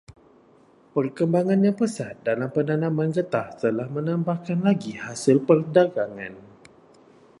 Perkembangan yang pesat dalam penanaman getah telah menambahkan lagi hasil perdagangan.